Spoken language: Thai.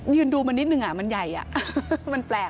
ยืนดูมันนิดนึงอ่ะมันใหญ่อ่ะมันแปลกอ่ะ